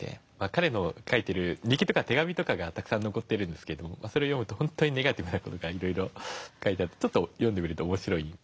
彼の書いている日記とか手紙がたくさん残っているんですけどそれを読むと本当にネガティブな事がいろいろ書いてあってちょっと読んでみると面白い。